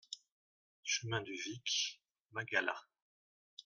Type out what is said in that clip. Chemin du Vic, Magalas